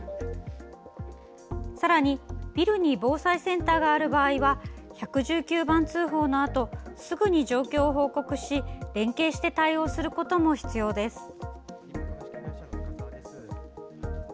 さらに、ビルに防災センターがある場合は１１９番通報のあとすぐに状況を報告し連携して対応することも必要です。